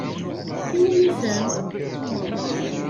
I wumi-ten?